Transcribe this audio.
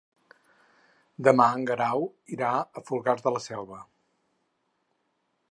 Demà en Guerau irà a Fogars de la Selva.